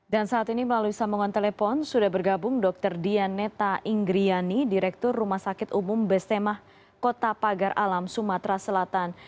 dan saat ini melalui sambungan telepon sudah bergabung dr dian neta ingriani direktur rumah sakit umum bstmah kota pagar alam sumatera selatan